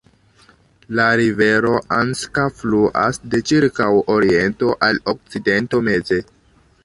La rivero Anska fluas de ĉirkaŭ oriento al okcidento meze.